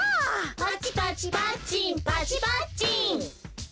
「パチパチパッチンパチ・パッチン」